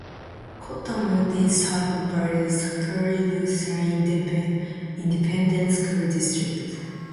Cottonwood is served by the Scurry-Rosser Independent School District.